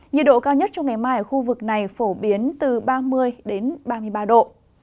nhiệt độ cao nhất trong ngày mai ở khu vực này phổ biến từ ba mươi ba mươi ba độ